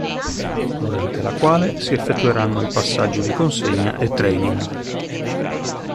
Durante la quale si effettueranno i passaggi di consegna e training.